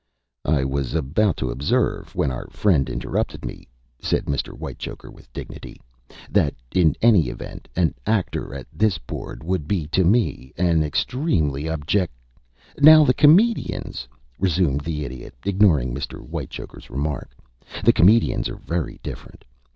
"I was about to observe, when our friend interrupted me," said Mr. Whitechoker, with dignity, "that in any event an actor at this board would be to me an extremely objec " "Now the comedians," resumed the Idiot, ignoring Mr. Whitechoker's remark "the comedians are very different.